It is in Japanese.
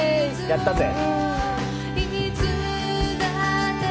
やったぜ！